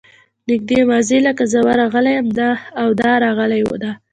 نږدې ماضي لکه زه ورغلی یم او دا راغلې ده.